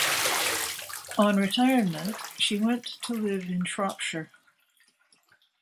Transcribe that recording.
On retirement she went to live in Shropshire.